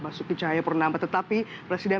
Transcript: basuki cahaya pernama tetapi presiden